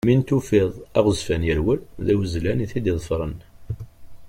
Mi n-tufiḍ aɣezzfan yerwel, d awezzlan i t-id-iḍefren.